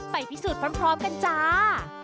ไปพิสูจน์พร้อมกันจ้า